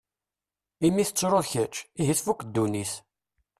Imi tettruḍ kečč, ihi tfuk ddunit.